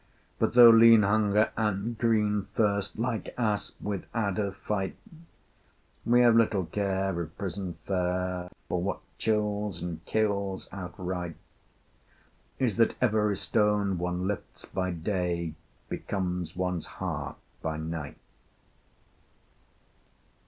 But though lean Hunger and green Thirst Like asp with adder fight, We have little care of prison fare, For what chills and kills outright Is that every stone one lifts by day Becomes one's heart by night.